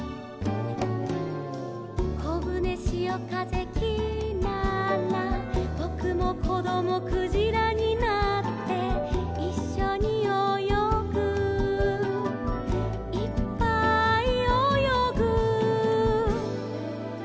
「こぶねしおかぜきらら」「ぼくもこどもクジラになって」「いっしょにおよぐいっぱいおよぐ」